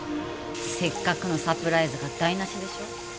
せっかくのサプライズが台なしでしょ？